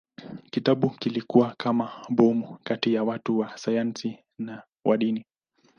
Kitabu kilikuwa kama bomu kati ya watu wa sayansi na wa dini.